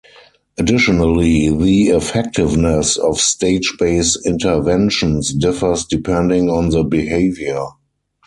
Additionally, the effectiveness of stage-based interventions differs depending on the behavior.